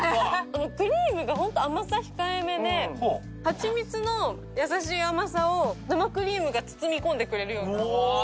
クリームがホント甘さ控えめではちみつの優しい甘さを生クリームが包み込んでくれるような。